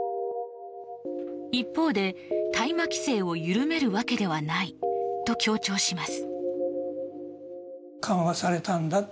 一方で、大麻規制を緩めるわけではないと強調します。